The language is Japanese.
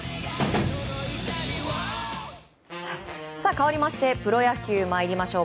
かわりましてプロ野球参りましょう。